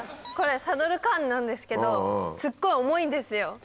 これサドルカーンなんですけどすっごい重いんですよ。